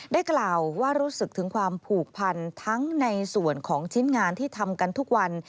ได้กล่าวว่ารู้สึกถึงความผูกพันทั้งในส่วนของชิ้นงานที่ทำกันทุกวัน